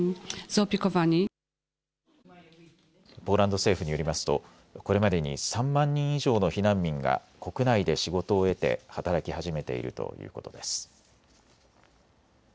ポーランド政府によりますとこれまでに３万人以上の避難民が国内で仕事を得て働き始めているということです。